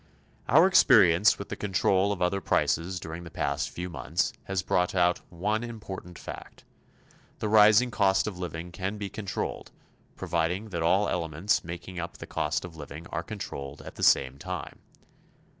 Our experience with the control of other prices during the past few months has brought out one important fact the rising cost of living can be controlled, providing that all elements making up the cost of living are controlled at the same time.